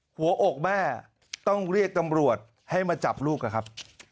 หัวอกแม่ต้องเรียกตำรวจให้มาจับลูกนะครับ